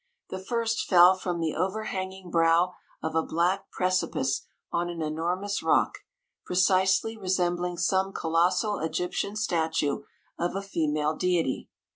The first fell from the over hanging brow of a black precipice on an enormous rock, precisely resembling some colossal Egyptian statue of a fe male deity.